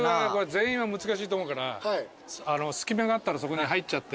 全員は難しいと思うから隙間があったらそこに入っちゃって。